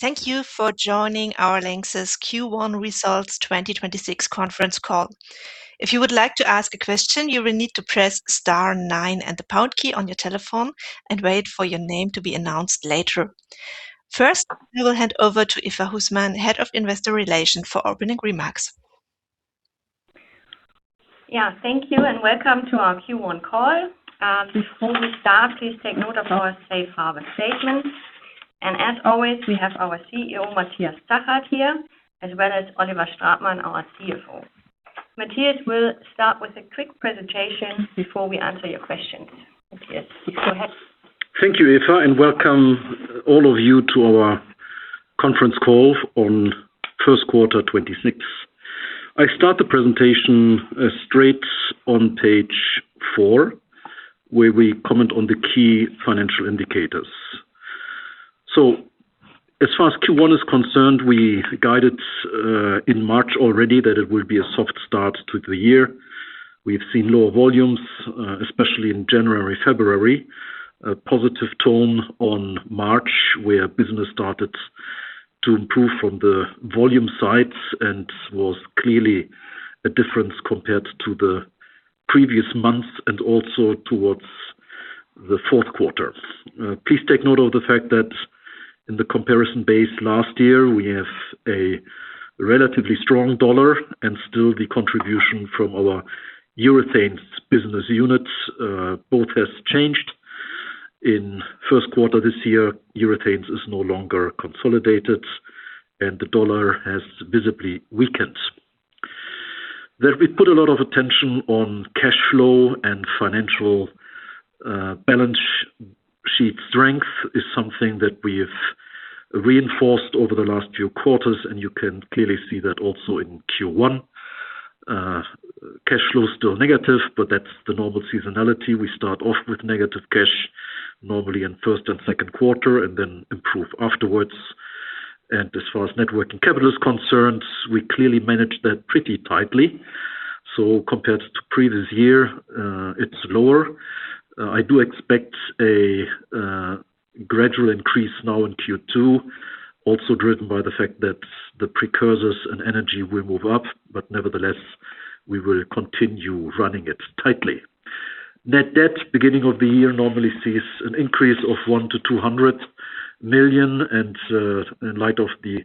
Thank you for joining our LANXESS Q1 Results 2026 conference call. If you would like to ask a question, you will need to press star nine and the pound key on the telephone and wait for your name to be announced later. First, we will hand over to Eva Husmann, Head of Investor Relations, for opening remarks. Yeah. Thank you. Welcome to our Q1 call. Before we start, please take note of our safe harbor statement. As always, we have our CEO Matthias Zachert here, as well as CFO Oliver Stratmann. Matthias will start with a quick presentation before we answer your questions. Matthias, please go ahead. Thank you, Eva, and welcome all of you to our conference call on first quarter 2026. I start the presentation straight on page four, where we comment on the key financial indicators. As far as Q1 is concerned, we guided in March already that it will be a soft start to the year. We've seen lower volumes, especially in January, February. A positive tone on March, where business started to improve from the volume sides and was clearly a difference compared to the previous months and also towards the fourth quarter. Please take note of the fact that in the comparison base last year, we have a relatively strong dollar and still the contribution from our urethanes business units, both has changed. In first quarter this year, urethanes is no longer consolidated, and the dollar has visibly weakened. We put a lot of attention on cash flow and financial balance sheet strength is something that we have reinforced over the last few quarters, and you can clearly see that also in Q1. Cash flow is still negative, but that's the normal seasonality. We start off with negative cash normally in first and second quarter and then improve afterwards. As far as net working capital is concerned, we clearly manage that pretty tightly. Compared to previous year, it's lower. I do expect a gradual increase now in Q2, also driven by the fact that the precursors and energy will move up, but nevertheless, we will continue running it tightly. Net debt, beginning of the year normally sees an increase of 100 million-200 million, in light of the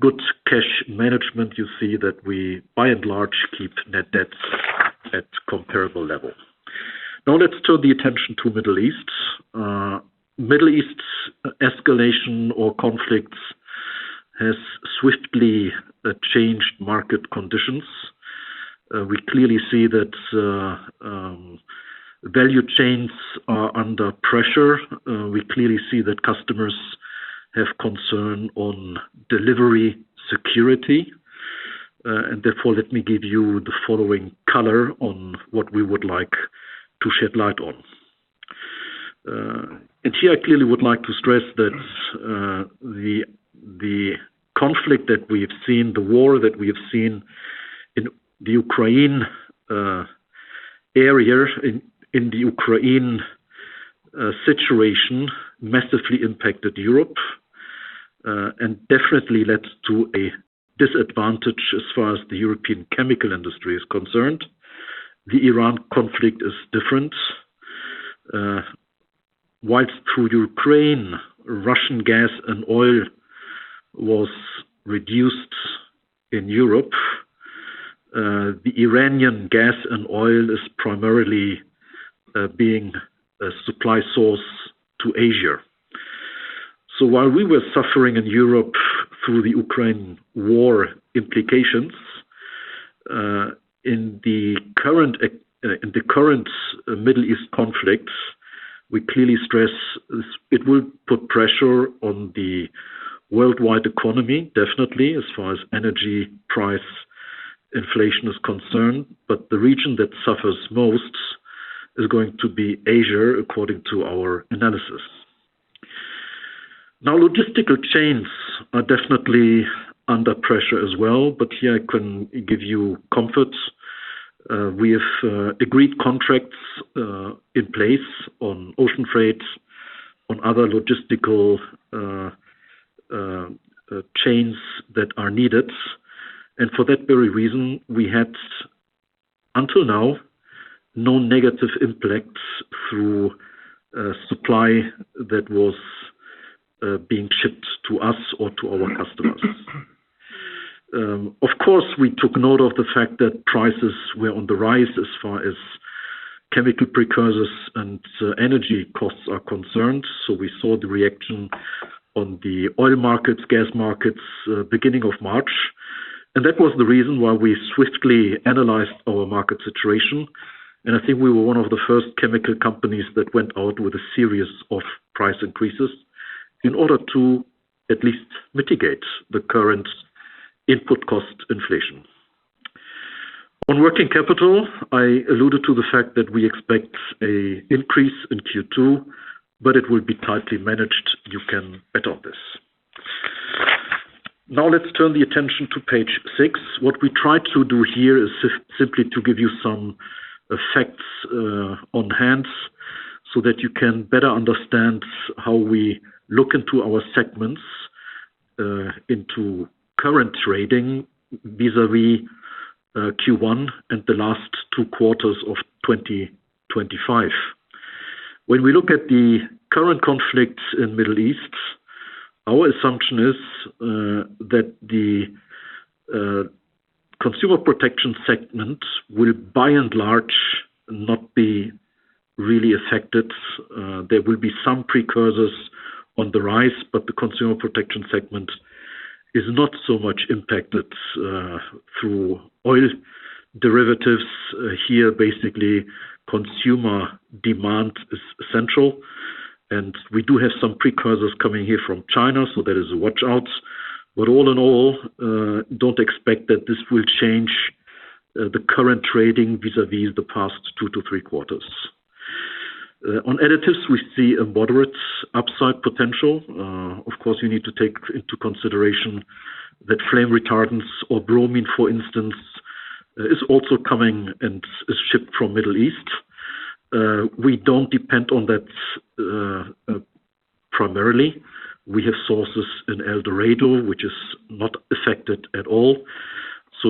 good cash management, you see that we by and large keep net debt at comparable level. Let's turn the attention to Middle East. Middle East's escalation or conflicts has swiftly changed market conditions. We clearly see that value chains are under pressure. We clearly see that customers have concern on delivery security. Therefore, let me give you the following color on what we would like to shed light on. Here I clearly would like to stress that the conflict that we have seen, the war that we have seen in the Ukraine area in the Ukraine situation massively impacted Europe and definitely led to a disadvantage as far as the European chemical industry is concerned. The Iran conflict is different. Whilst through Ukraine, Russian gas and oil was reduced in Europe, the Iranian gas and oil is primarily being a supply source to Asia. While we were suffering in Europe through the Ukraine war implications, in the current Middle East conflicts, we clearly stress it will put pressure on the worldwide economy, definitely, as far as energy price inflation is concerned, but the region that suffers most is going to be Asia, according to our analysis. Logistical chains are definitely under pressure as well, but here I can give you comfort. We have agreed contracts in place on ocean freight, on other logistical chains that are needed. For that very reason, we had until now no negative impacts through supply that was being shipped to us or to our customers. Of course, we took note of the fact that prices were on the rise as far as chemical precursors and energy costs are concerned. We saw the reaction on the oil markets, gas markets, beginning of March. That was the reason why we swiftly analyzed our market situation. I think we were one of the first chemical companies that went out with a series of price increases in order to at least mitigate the current input cost inflation. On working capital, I alluded to the fact that we expect a increase in Q2, but it will be tightly managed. You can bet on this. Let's turn the attention to page six. What we try to do here is simply to give you some effects on hands so that you can better understand how we look into our segments, into current trading vis-a-vis Q1 and the last two quarters of 2025. When we look at the current conflicts in Middle East, our assumption is that the Consumer Protection Segment will by and large not be really affected. There will be some precursors on the rise, but the Consumer Protection Segment is not so much impacted through oil derivatives. Here, basically, consumer demand is central, and we do have some precursors coming here from China, that is a watch out. All in all, don't expect that this will change the current trading vis-a-vis the past two to three quarters. On additives, we see a moderate upside potential. Of course, you need to take into consideration that flame retardants or bromine, for instance, is also coming and is shipped from Middle East. We don't depend on that primarily. We have sources in El Dorado, which is not affected at all.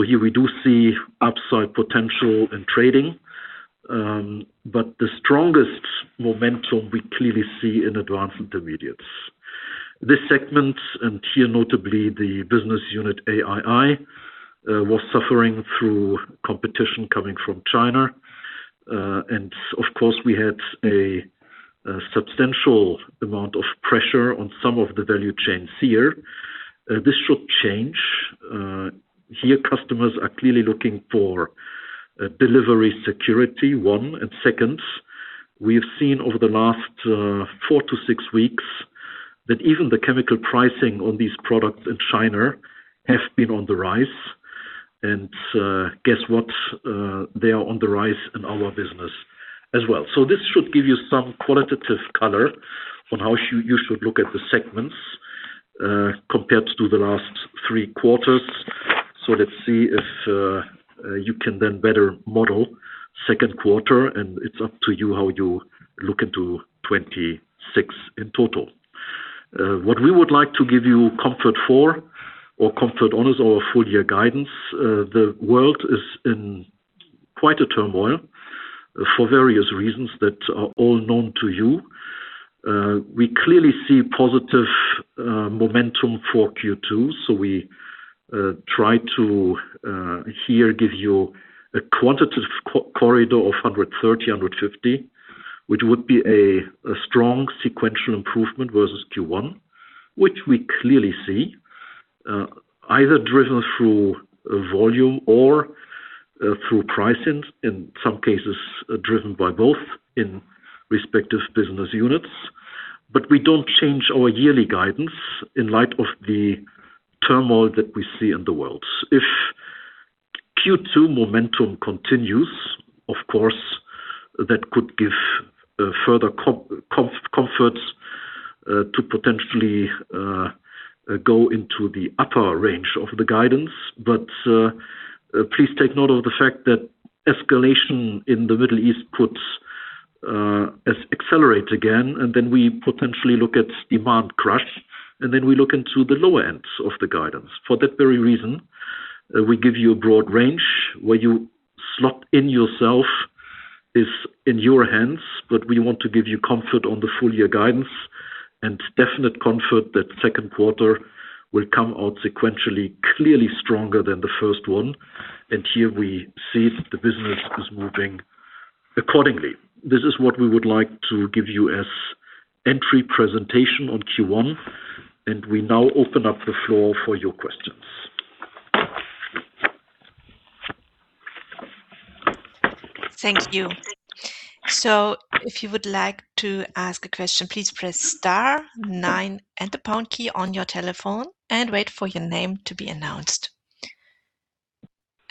Here we do see upside potential in trading, but the strongest momentum we clearly see in Advanced intermediates. This segment, and here notably the business unit AII, was suffering through competition coming from China. Of course, we had a substantial amount of pressure on some of the value chains here. This should change. Here customers are clearly looking for delivery security, one. Second, we've seen over the last four to six weeks that even the chemical pricing on these products in China have been on the rise. Guess what? They are on the rise in our business as well. This should give you some qualitative color on how you should look at the segments, compared to the last three quarters. Let's see if you can then better model second quarter, and it's up to you how you look into 2026 in total. What we would like to give you comfort for or comfort on is our full year guidance. The world is in quite a turmoil for various reasons that are all known to you. We clearly see positive momentum for Q2, so we try to here give you a quantitative corridor of 130-150, which would be a strong sequential improvement versus Q1, which we clearly see either driven through volume or through pricing, in some cases, driven by both in respective business units. We don't change our yearly guidance in light of the turmoil that we see in the world. If Q2 momentum continues, of course, that could give further comfort to potentially go into the upper range of the guidance. Please take note of the fact that escalation in the Middle East could accelerate again, and then we potentially look at demand crash, and then we look into the lower ends of the guidance. For that very reason, we give you a broad range. Where you slot in yourself is in your hands, we want to give you comfort on the full year guidance and definite comfort that second quarter will come out sequentially, clearly stronger than the first one. Here we see that the business is moving accordingly. This is what we would like to give you as entry presentation on Q1, we now open up the floor for your questions. Thank you. If you would like to ask a question, please press star nine and the pound key on your telephone and wait for your name to be announced.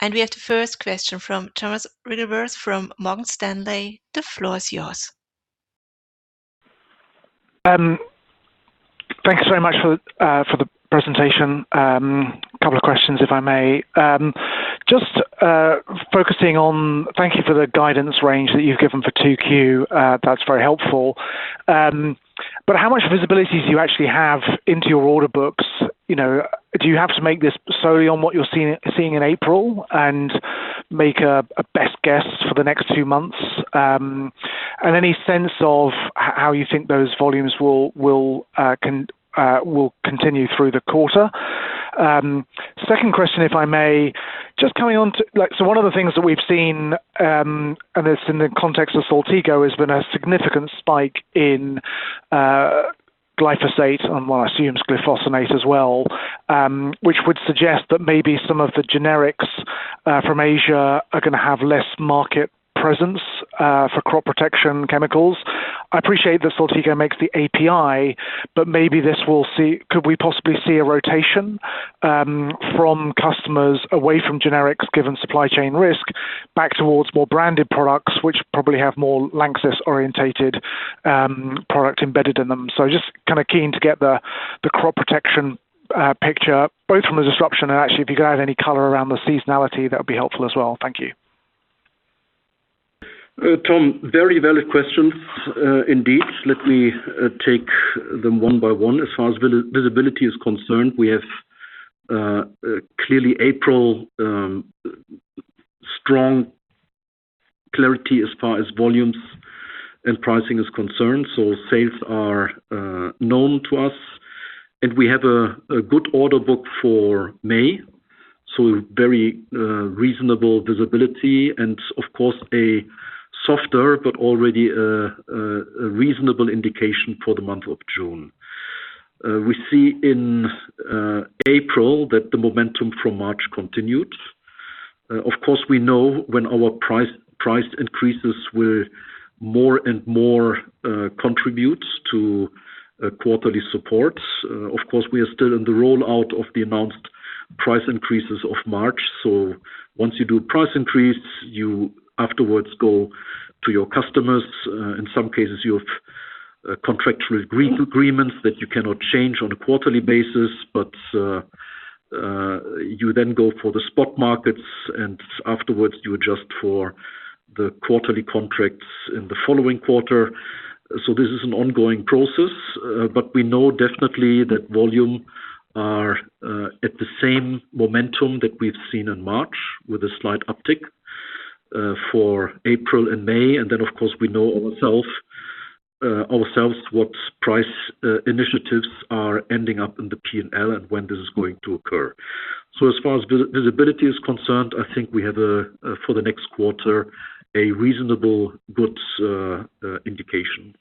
We have the first question from Thomas Wrigglesworth from Morgan Stanley. The floor is yours. Thank you very much for the presentation. Couple of questions, if I may? Thank you for the guidance range that you've given for 2Q. That's very helpful. How much visibility do you actually have into your order books? You know, do you have to make this solely on what you're seeing in April and make a best guess for the next two months? Any sense of how you think those volumes will continue through the quarter? Second question, if I may? One of the things that we've seen, and it's in the context of Saltigo, has been a significant spike in glyphosate and what I assume is glufosinate as well, which would suggest that maybe some of the generics from Asia are gonna have less market presence for crop protection chemicals. I appreciate that Saltigo makes the API. Could we possibly see a rotation from customers away from generics, given supply chain risk, back towards more branded products which probably have more LANXESS-orientated product embedded in them. Just kind of keen to get the crop protection picture, both from a disruption and actually if you could add any color around the seasonality, that would be helpful as well. Thank you. Tom, very valid questions indeed. Let me take them one by one. As far as visibility is concerned, we have clearly April, strong clarity as far as volumes and pricing is concerned. Sales are known to us, and we have a good order book for May, so very reasonable visibility and of course, a softer but already a reasonable indication for the month of June. We see in April that the momentum from March continued. Of course, we know when our price increases will more and more contribute to quarterly support. Of course, we are still in the rollout of the announced price increases of March. Once you do price increase, you afterwards go to your customers. In some cases, you have contractual agreements that you cannot change on a quarterly basis, but you then go for the spot markets, and afterwards you adjust for the quarterly contracts in the following quarter. This is an ongoing process, but we know definitely that volume are at the same momentum that we've seen in March with a slight uptick for April and May. Then, of course, we know ourselves what price initiatives are ending up in the P&L and when this is going to occur. As far as visibility is concerned, I think we have a for the next quarter, a reasonable good indication.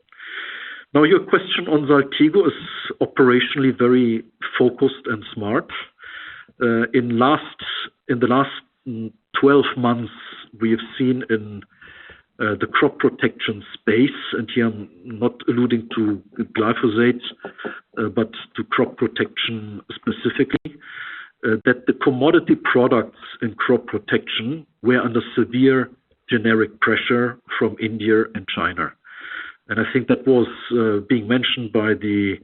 Now, your question on Saltigo is operationally very focused and smart. In the last 12 months, we have seen in the crop protection space, here I'm not alluding to glyphosate, but to crop protection specifically, that the commodity products in crop protection were under severe generic pressure from India and China. I think that was being mentioned by the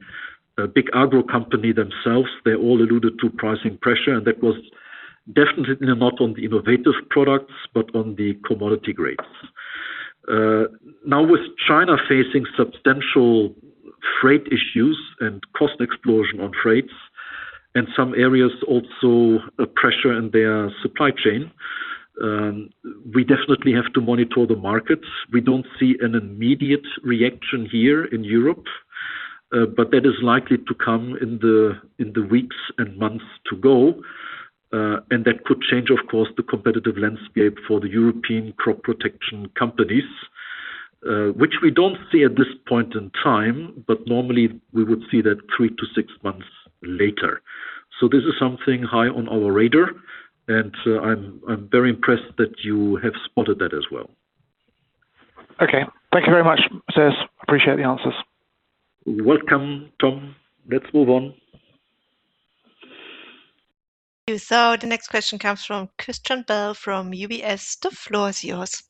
big agro company themselves. They all alluded to pricing pressure, and that was definitely not on the innovative products, but on the commodity grades. Now with China facing substantial freight issues and cost explosion on freights, and some areas also a pressure in their supply chain, we definitely have to monitor the markets. We don't see an immediate reaction here in Europe, but that is likely to come in the weeks and months to go. That could change, of course, the competitive landscape for the European crop protection companies, which we don't see at this point in time, but normally we would see that three to six months later. This is something high on our radar, and I'm very impressed that you have spotted that as well. Okay. Thank you very much, Matthias. Appreciate the answers. You're welcome, Tom. Let's move on. The next question comes from Christian Bell from UBS. The floor is yours.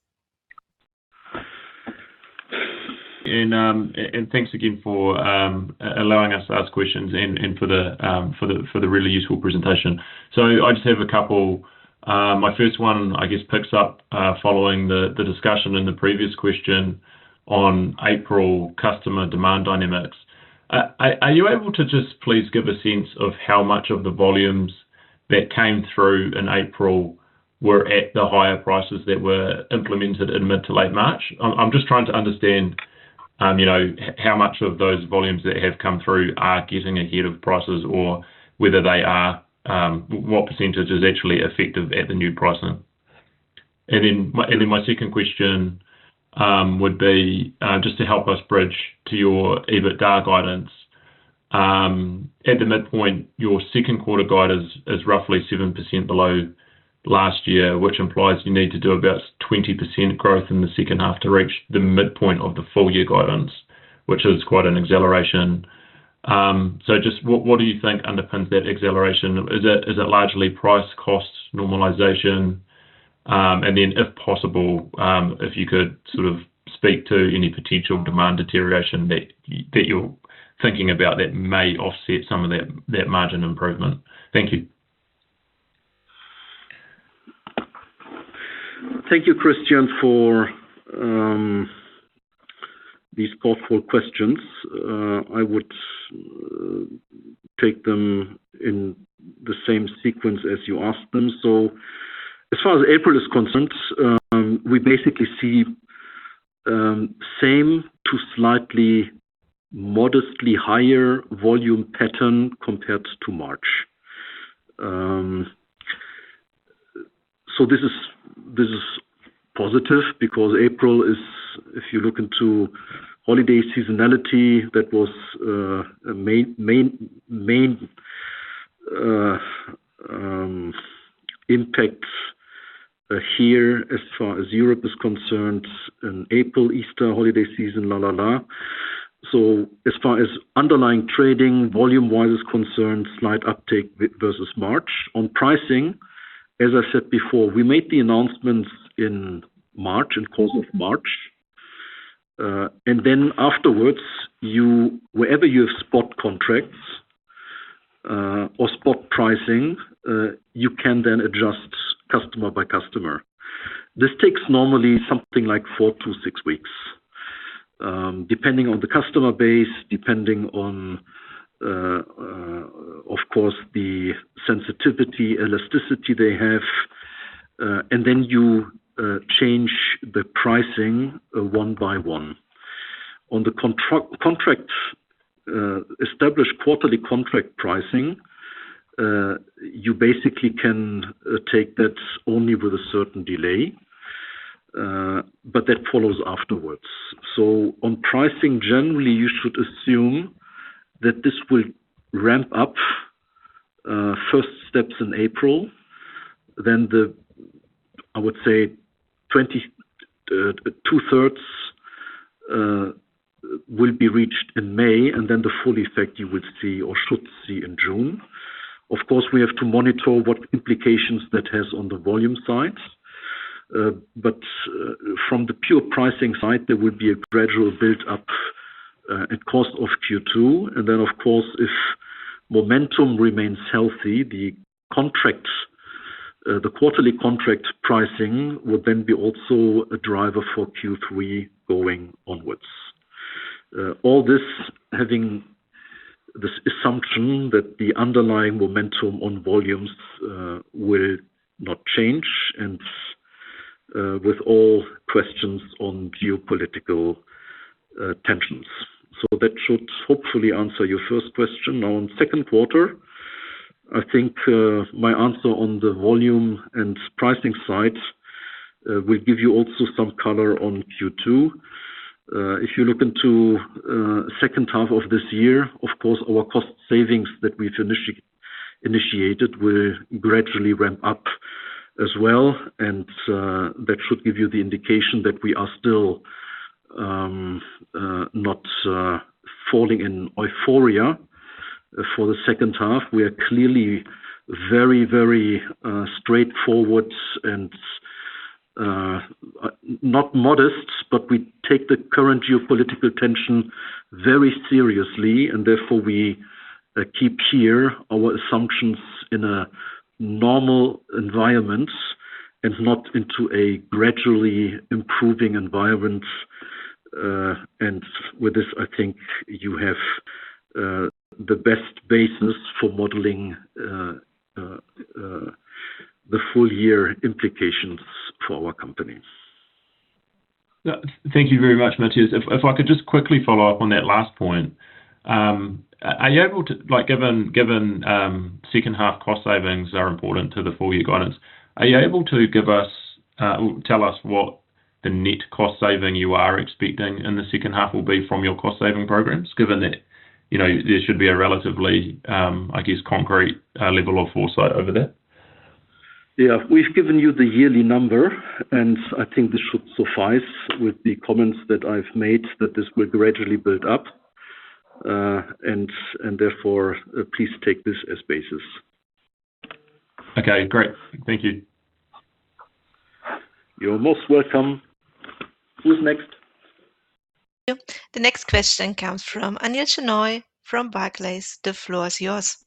Thanks again for allowing us to ask questions and for the really useful presentation. I just have a couple. My first one, I guess, picks up following the discussion in the previous question on April customer demand dynamics. Are you able to just please give a sense of how much of the volumes that came through in April were at the higher prices that were implemented in mid to late March? I'm just trying to understand, you know, how much of those volumes that have come through are getting ahead of prices or whether they are, what percentage is actually effective at the new pricing. Then my second question would be just to help us bridge to your EBITDA guidance. At the midpoint, your second quarter guide is roughly 7% below last year, which implies you need to do about 20% growth in the second half to reach the midpoint of the full year guidance, which is quite an acceleration. Just what do you think underpins that acceleration? Is it, is it largely price costs normalization? If possible, if you could sort of speak to any potential demand deterioration that you're thinking about that may offset some of that margin improvement. Thank you. Thank you, Christian, for these thoughtful questions. I would take them in the same sequence as you asked them. As far as April is concerned, we basically see same to slightly modestly higher volume pattern compared to March. This is positive because April is, if you look into holiday seasonality, that was a main impact here as far as Europe is concerned in April Easter holiday season. As far as underlying trading volume-wise is concerned, slight uptake versus March. On pricing, as I said before, we made the announcements in March, in course of March. Afterwards, wherever you have spot contracts, or spot pricing, you can then adjust customer by customer. This takes normally something like four to six weeks, depending on the customer base, depending on, of course, the sensitivity, elasticity they have. You change the pricing, one by one. On the contracts established quarterly contract pricing, you basically can take that only with a certain delay, but that follows afterwards. On pricing, generally, you should assume that this will ramp up, first steps in April, then the, I would say, 2/3, will be reached in May, and then the full effect you will see or should see in June. Of course, we have to monitor what implications that has on the volume side. From the pure pricing side, there will be a gradual build up, at cost of Q2. Of course, if momentum remains healthy, the contracts, the quarterly contract pricing will then be also a driver for Q3 going onwards. All this having this assumption that the underlying momentum on volumes will not change and with all questions on geopolitical tensions. That should hopefully answer your first question. On second quarter, I think, my answer on the volume and pricing side will give you also some color on Q2. If you look into second half of this year, of course, our cost savings that we've initiated will gradually ramp up as well, and that should give you the indication that we are still not falling in euphoria. For the second half, we are clearly very, very straightforward and not modest, but we take the current geopolitical tension very seriously, and therefore we keep here our assumptions in a normal environment and not into a gradually improving environment. With this, I think you have the best basis for modeling the full year implications for our company. Thank you very much, Matthias. If I could just quickly follow up on that last point. Are you able to, like, given second half cost savings are important to the full year guidance, are you able to give us or tell us what the net cost saving you are expecting in the second half will be from your cost-saving programs? Given that, you know, there should be a relatively, I guess, concrete level of foresight over there. Yeah. We've given you the yearly number, and I think this should suffice with the comments that I've made that this will gradually build up. Therefore, please take this as basis. Okay, great. Thank you. You're most welcome. Who's next? The next question comes from Anil Shenoy from Barclays. The floor is yours.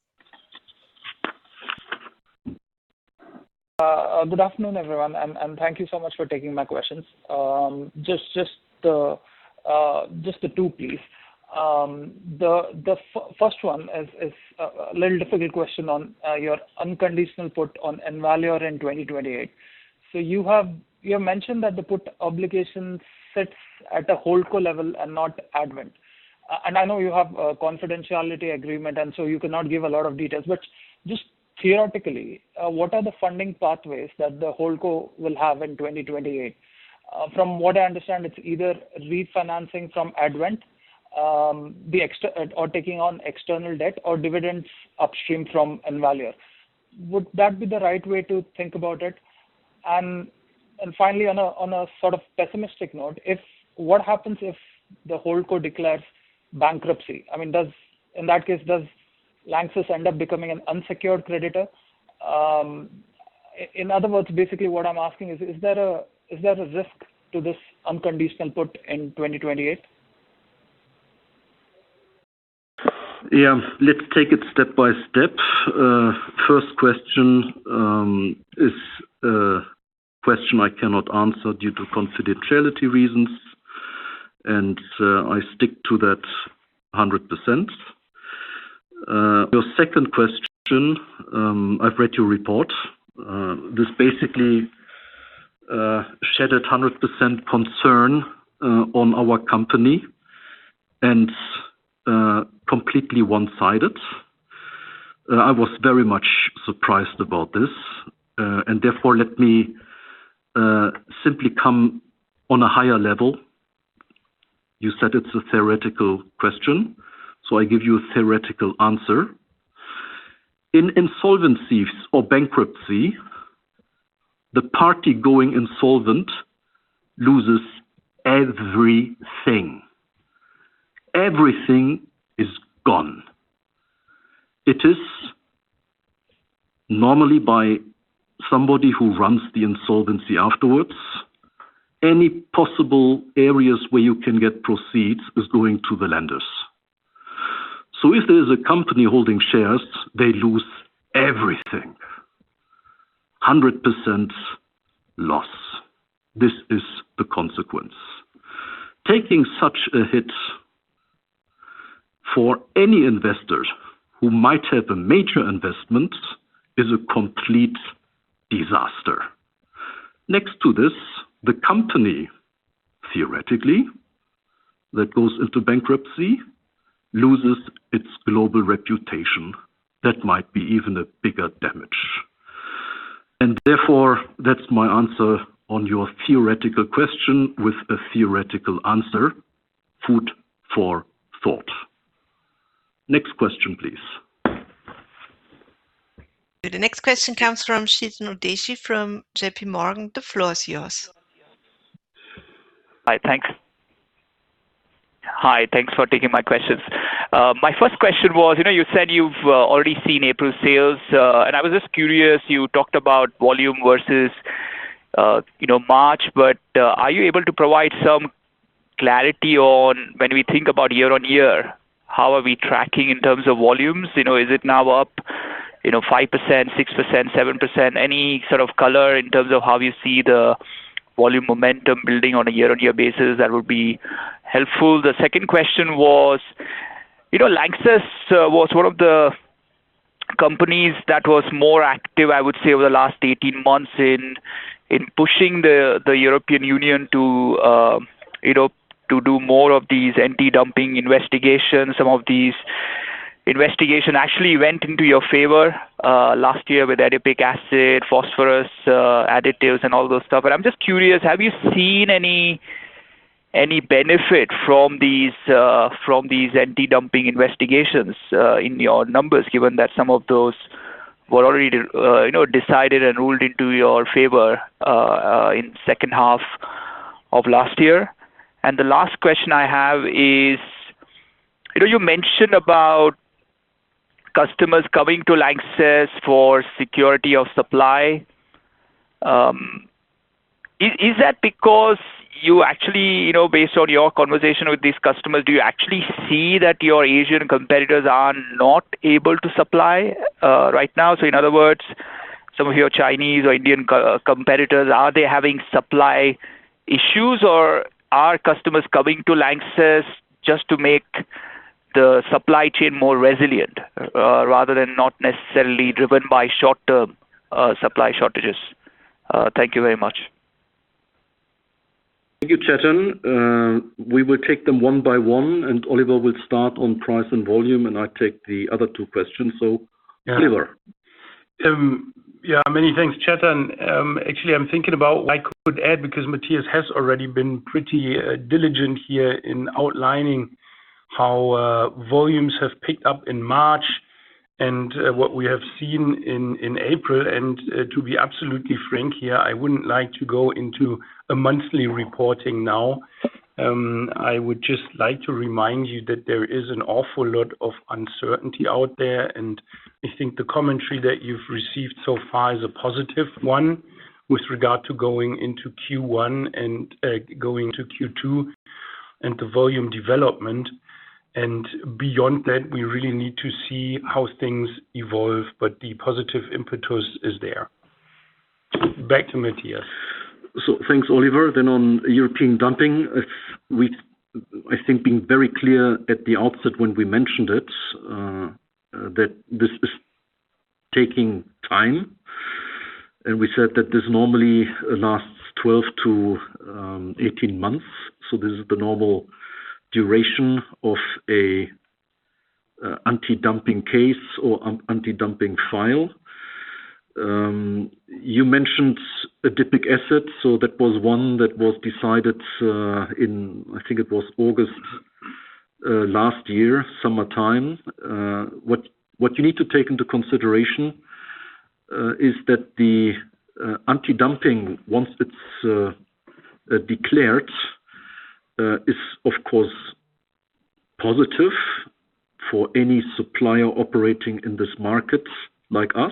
Good afternoon, everyone, and thank you so much for taking my questions. Just the two, please. The first one is a little difficult question on your unconditional put on Envalior in 2028. You have mentioned that the put obligation sits at a holdco level and not Advent. I know you have a confidentiality agreement, you cannot give a lot of details, but just theoretically, what are the funding pathways that the holdco will have in 2028? From what I understand, it's either refinancing from Advent, or taking on external debt or dividends upstream from Envalior. Would that be the right way to think about it? Finally, on a sort of pessimistic note, what happens if the holdco declares bankruptcy? I mean, in that case, does LANXESS end up becoming an unsecured creditor? In other words, basically what I'm asking is there a risk to this unconditional put in 2028? Let's take it step by step. First question is a question I cannot answer due to confidentiality reasons. I stick to that 100%. Your second question, I've read your report. This basically shed a 100% concern on our company and completely one-sided. I was very much surprised about this. Therefore, let me simply come on a higher level. You said it's a theoretical question. I give you a theoretical answer. In insolvencies or bankruptcy, the party going insolvent loses everything. Everything is gone. It is normally by somebody who runs the insolvency afterwards. Any possible areas where you can get proceeds is going to the lenders. If there's a company holding shares, they lose everything. 100% loss. This is the consequence. Taking such a hit for any investor who might have a major investment is a complete disaster. Next to this, the company, theoretically, that goes into bankruptcy loses its global reputation. That might be even a bigger damage. Therefore, that's my answer on your theoretical question with a theoretical answer. Food for thought. Next question, please. The next question comes from Chetan Udeshi from JPMorgan. The floor is yours. Hi. Thanks. Hi, thanks for taking my questions. My first question was, you know, you said you've already seen April sales, and I was just curious, you talked about volume versus, you know, March, but are you able to provide some clarity on when we think about year-on-year, how are we tracking in terms of volumes? You know, is it now up, you know, 5%, 6%, 7%? Any sort of color in terms of how you see the volume momentum building on a year-on-year basis, that would be helpful. The second question was, you know, LANXESS was one of the companies that was more active, I would say, over the last 18 months in pushing the European Union to, you know, to do more of these anti-dumping investigations. Some of these investigation actually went into your favor last year with adipic acid, phosphorus, additives and all those stuff. I'm just curious, have you seen any benefit from these from these anti-dumping investigations in your numbers, given that some of those were already, you know, decided and ruled into your favor in second half of last year? The last question I have is, you know, you mentioned about customers coming to LANXESS for security of supply. Is that because you actually, based on your conversation with these customers, do you actually see that your Asian competitors are not able to supply right now? In other words, some of your Chinese or Indian co-competitors, are they having supply issues or are customers coming to LANXESS just to make the supply chain more resilient, rather than not necessarily driven by short-term, supply shortages? Thank you very much. Thank you, Chetan. We will take them one by one, Oliver will start on price and volume, I take the other two questions. Oliver. Yeah, many thanks, Chetan. Actually, I'm thinking about what I could add because Matthias has already been pretty diligent here in outlining how volumes have picked up in March and what we have seen in April. To be absolutely frank here, I wouldn't like to go into a monthly reporting now. I would just like to remind you that there is an awful lot of uncertainty out there, and I think the commentary that you've received so far is a positive one with regard to going into Q1 and going to Q2 and the volume development. Beyond that, we really need to see how things evolve, but the positive impetus is there. Back to Matthias. Thanks, Oliver. On European dumping, I think being very clear at the outset when we mentioned it, that this is taking time, and we said that this normally lasts 12-18 months. This is the normal duration of an anti-dumping case or an anti-dumping file. You mentioned adipic acid, so that was one that was decided in, I think it was August last year, summertime. What you need to take into consideration is that the anti-dumping, once it's declared, is of course positive for any supplier operating in this market like us.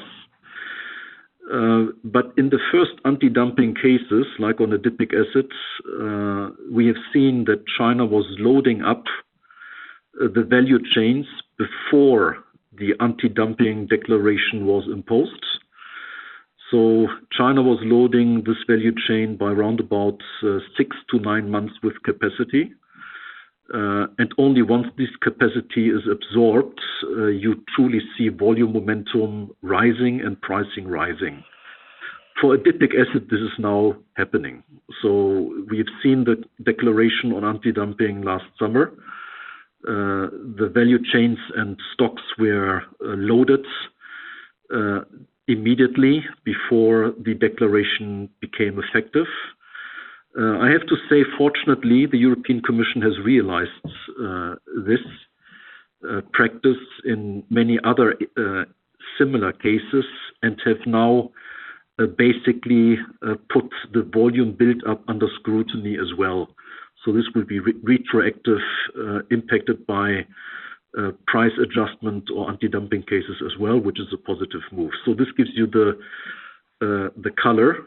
In the first anti-dumping cases, like on adipic acids, we have seen that China was loading up the value chains before the anti-dumping declaration was imposed. China was loading this value chain by around six to nine months with capacity. Only once this capacity is absorbed, you truly see volume momentum rising and pricing rising. For adipic acid, this is now happening. We've seen the declaration on anti-dumping last summer. The value chains and stocks were loaded immediately before the declaration became effective. I have to say, fortunately, the European Commission has realized this practice in many other similar cases and have now basically put the volume build-up under scrutiny as well. This will be re-retroactive impacted by price adjustment or anti-dumping cases as well, which is a positive move. This gives you the color.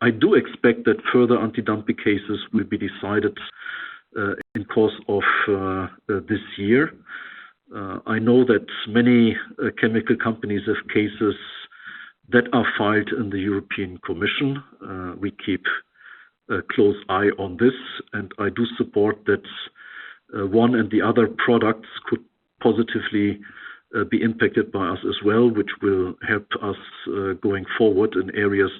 I do expect that further anti-dumping cases will be decided in course of this year. I know that many chemical companies have cases that are filed in the European Commission. We keep a close eye on this, I do support that one and the other products could positively be impacted by us as well, which will help us going forward in areas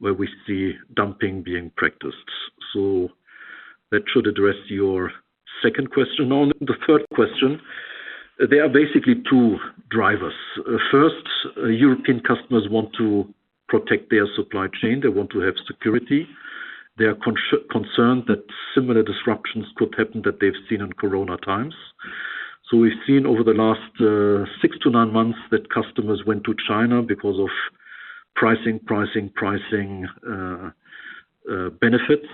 where we see dumping being practiced. That should address your second question. On the third question, there are basically two drivers. First, European customers want to protect their supply chain. They want to have security. They are concerned that similar disruptions could happen that they've seen in corona times. We've seen over the last six to nine months that customers went to China because of pricing benefits.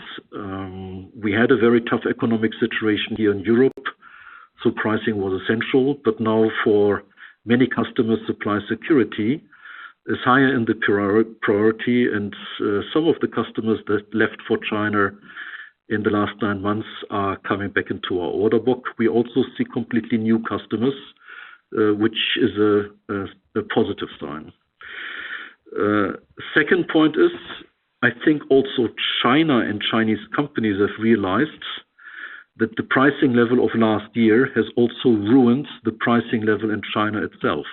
We had a very tough economic situation here in Europe, pricing was essential. Now for many customers, supply security is higher in the prior-priority, and some of the customers that left for China in the last nine months are coming back into our order book. We also see completely new customers, which is a positive sign. Second point is, I think also China and Chinese companies have realized that the pricing level of last year has also ruined the pricing level in China itself,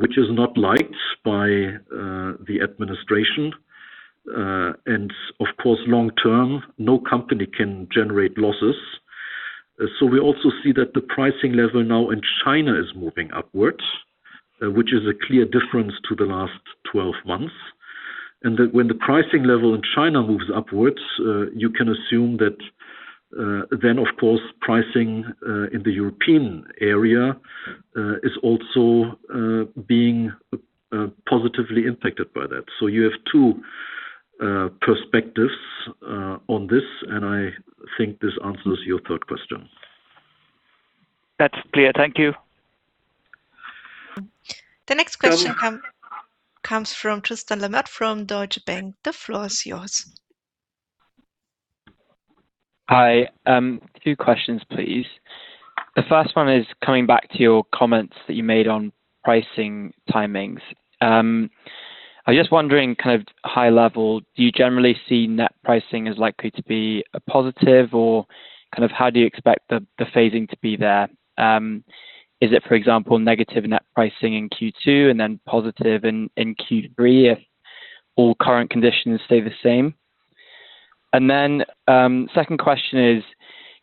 which is not liked by the administration. Of course, long term, no company can generate losses. We also see that the pricing level now in China is moving upwards, which is a clear difference to the last 12 months. When the pricing level in China moves upwards, you can assume that, then of course, pricing in the European area is also being positively impacted by that. You have two perspectives on this, and I think this answers your third question. That's clear. Thank you. The next question comes from Tristan Lamotte from Deutsche Bank. The floor is yours. Hi. Two questions, please. The first one is coming back to your comments that you made on pricing timings. I'm just wondering, kind of high level, do you generally see net pricing as likely to be a positive? Kind of how do you expect the phasing to be there? Is it, for example, negative net pricing in Q2 and then positive in Q3 if all current conditions stay the same? Second question is,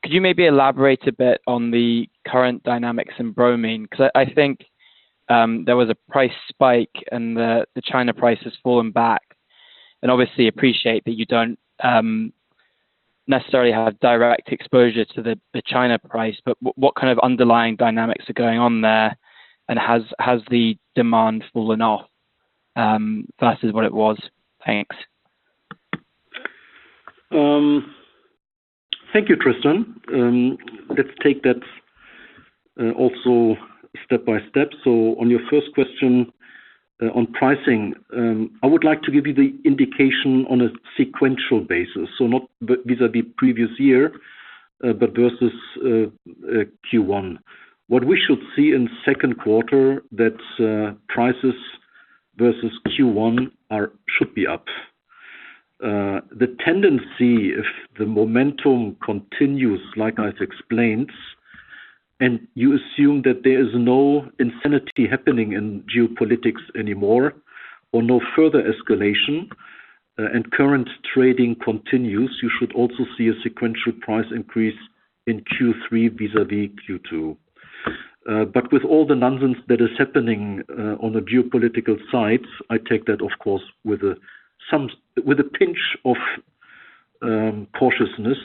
could you maybe elaborate a bit on the current dynamics in bromine? 'Cause I think there was a price spike and the China price has fallen back. Obviously appreciate that you don't necessarily have direct exposure to the China price, but what kind of underlying dynamics are going on there? Has the demand fallen off versus what it was? Thanks. Thank you, Tristan. Let's take that also step by step. On your first question on pricing, I would like to give you the indication on a sequential basis, not vis-à-vis previous year, but versus Q1. What we should see in second quarter, that prices versus Q1 should be up. The tendency, if the momentum continues, like I explained, and you assume that there is no insanity happening in geopolitics anymore or no further escalation, and current trading continues, you should also see a sequential price increase in Q3 vis-à-vis Q2. With all the nonsense that is happening on the geopolitical sides, I take that of course with a pinch of cautiousness.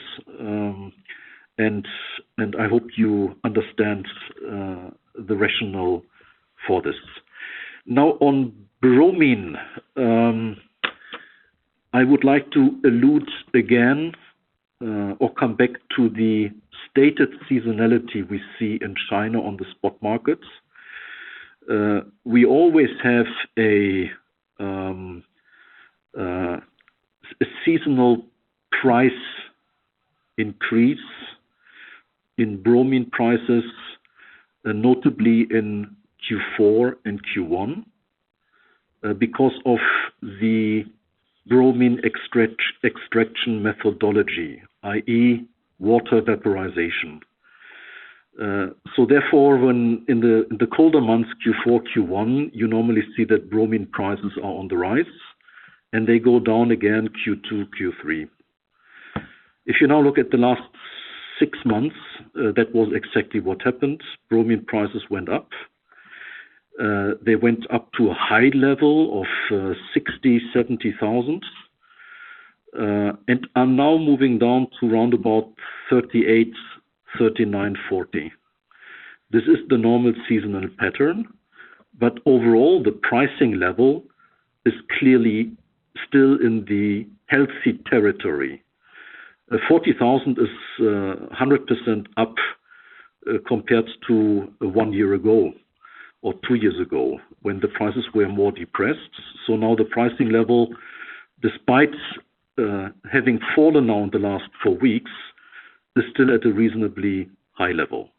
I hope you understand the rationale for this. Now, on bromine, I would like to allude again, or come back to the stated seasonality we see in China on the spot markets. We always have a seasonal price increase in bromine prices, notably in Q4 and Q1, because of the bromine extraction methodology, i.e., water vaporization. When in the colder months, Q4, Q1, you normally see that bromine prices are on the rise, and they go down again Q2, Q3. If you now look at the last six months, that was exactly what happened. Bromine prices went up. They went up to a high level of 60,000-70,000. And are now moving down to round about 38,000, 39,000, 40,000. This is the normal seasonal pattern, but overall, the pricing level is clearly still in the healthy territory. 40,000 is 100% up compared to one year ago or two years ago, when the prices were more depressed. Now the pricing level, despite having fallen down the last four weeks, is still at a reasonably high level.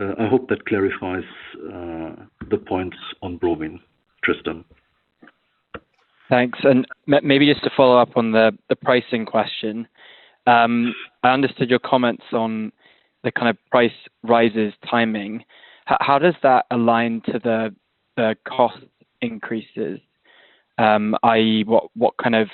I hope that clarifies the points on bromine, Tristan. Thanks. Maybe just to follow up on the pricing question. I understood your comments on the kind of price rises timing. How does that align to the cost increases? i.e. what kind of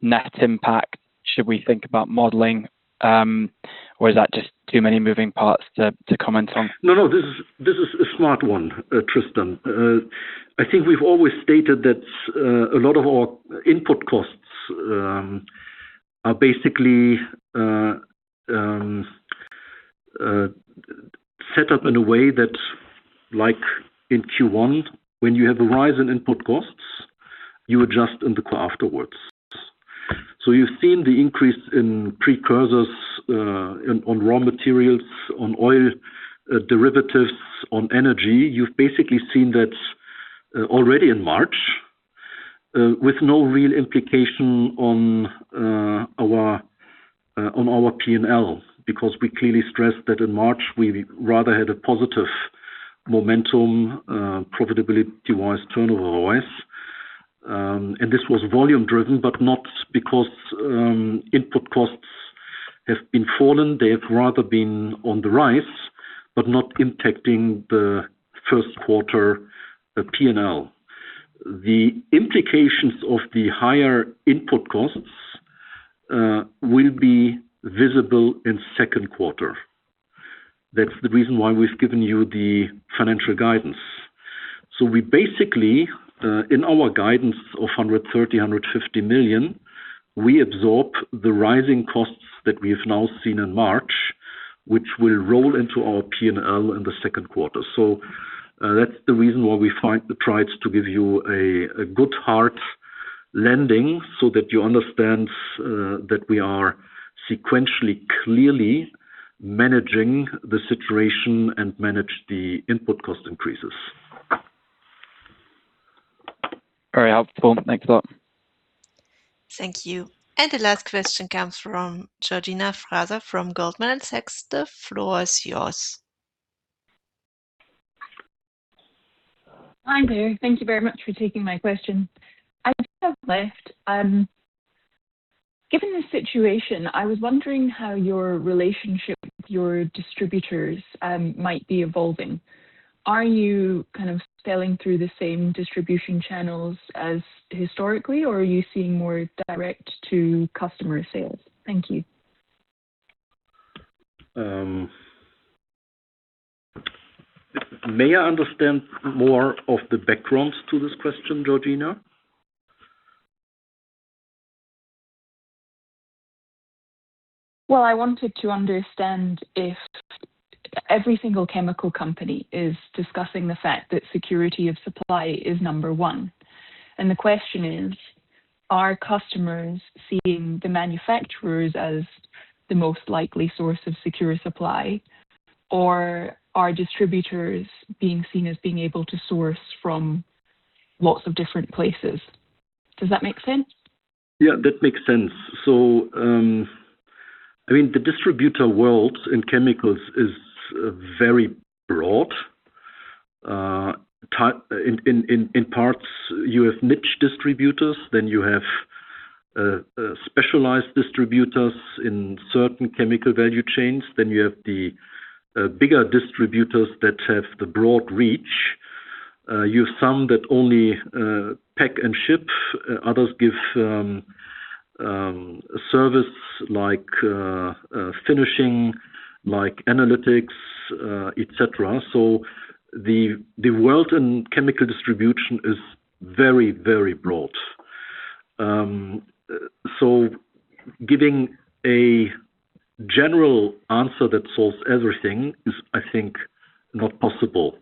net impact should we think about modeling? Is that just too many moving parts to comment on? No, this is a smart one, Tristan. I think we've always stated that a lot of our input costs are basically set up in a way that like in Q1, when you have a rise in input costs, you adjust in the afterwards. You've seen the increase in precursors on raw materials, on oil derivatives, on energy. You've basically seen that already in March with no real implication on our P&L. We clearly stressed that in March, we rather had a positive momentum, profitability-wise, turnover-wise. This was volume-driven, but not because input costs have been fallen. They have rather been on the rise, but not impacting the first quarter P&L. The implications of the higher input costs will be visible in second quarter. That's the reason why we've given you the financial guidance. We basically, in our guidance of 130 million-150 million, we absorb the rising costs that we have now seen in March, which will roll into our P&L in the second quarter. That's the reason why we tried to give you a good hard landing so that you understand that we are sequentially clearly managing the situation and manage the input cost increases. Very helpful. Thanks a lot. Thank you. The last question comes from Georgina Fraser from Goldman Sachs. The floor is yours. Hi there. Thank you very much for taking my question. I just have left. Given the situation, I was wondering how your relationship with your distributors might be evolving. Are you kind of selling through the same distribution channels as historically, or are you seeing more direct-to-customer sales? Thank you. May I understand more of the background to this question, Georgina? Well, I wanted to understand if every single chemical company is discussing the fact that security of supply is number one. The question is, are customers seeing the manufacturers as the most likely source of secure supply, or are distributors being seen as being able to source from lots of different places? Does that make sense? Yeah, that makes sense. I mean, the distributor world in chemicals is very broad. In parts, you have niche distributors, then you have specialized distributors in certain chemical value chains. You have the bigger distributors that have the broad reach. You have some that only pack and ship. Others give a service like finishing, like analytics, et cetera. The world in chemical distribution is very, very broad. Giving a general answer that solves everything is, I think, not possible.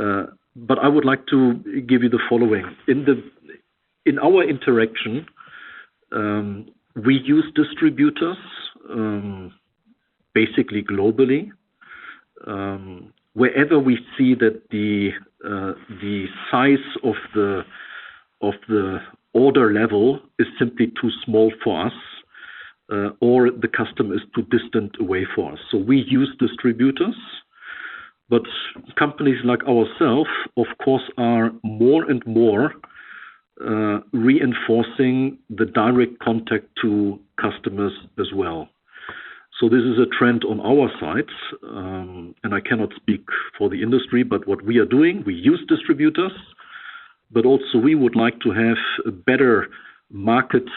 I would like to give you the following. In our interaction, we use distributors basically globally. Wherever we see that the size of the order level is simply too small for us, or the customer is too distant away for us. We use distributors, but companies like ourself, of course, are more and more reinforcing the direct contact to customers as well. This is a trend on our side. I cannot speak for the industry. What we are doing, we use distributors, but also we would like to have better markets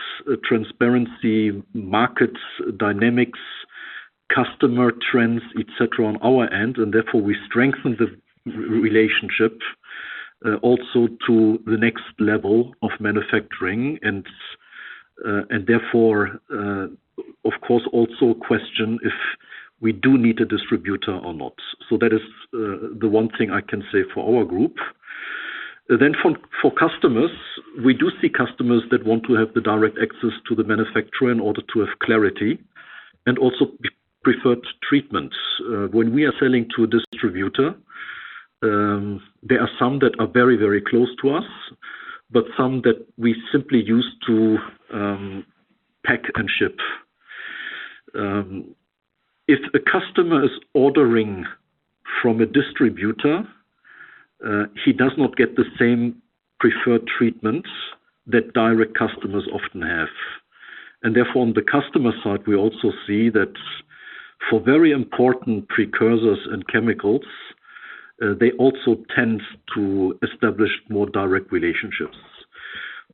transparency, markets dynamics, customer trends, et cetera, on our end. Therefore we strengthen the re-relationship also to the next level of manufacturing. Therefore, of course, also question if we do need a distributor or not. That is the one thing I can say for our group. For customers, we do see customers that want to have the direct access to the manufacturer in order to have clarity and also pre-preferred treatments. When we are selling to a distributor, there are some that are very, very close to us, but some that we simply use to pack and ship. If a customer is ordering from a distributor, he does not get the same preferred treatments that direct customers often have. Therefore, on the customer side, we also see that for very important precursors and chemicals, they also tend to establish more direct relationships.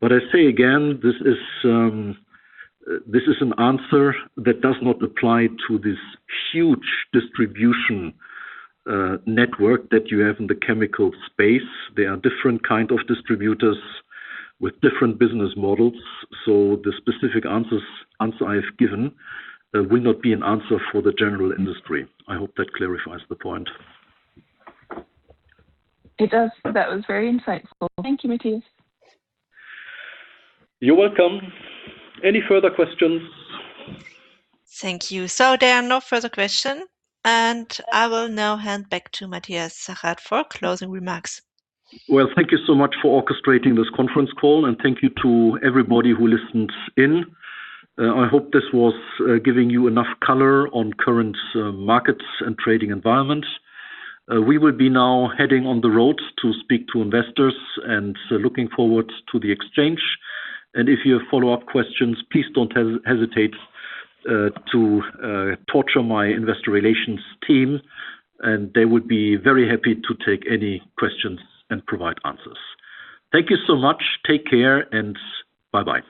I say again, this is an answer that does not apply to this huge distribution network that you have in the chemical space. There are different kind of distributors with different business models, so the specific answer I have given will not be an answer for the general industry. I hope that clarifies the point. It does. That was very insightful. Thank you, Matthias. You're welcome. Any further questions? Thank you. There are no further question, and I will now hand back to Matthias Zachert for closing remarks. Well, thank you so much for orchestrating this conference call, and thank you to everybody who listens in. I hope this was giving you enough color on current markets and trading environments. We will be now heading on the road to speak to investors and looking forward to the exchange. If you have follow-up questions, please don't hesitate to torture my investor relations team, and they would be very happy to take any questions and provide answers. Thank you so much. Take care, and bye-bye.